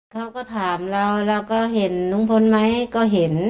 เขาก็ถามเราเราก็เห็นลุงพลไหมก็เห็น